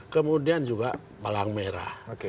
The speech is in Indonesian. kemudian juga palang merah